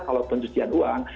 kalau pencucian uang